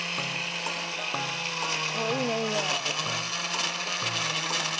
おっいいねいいね。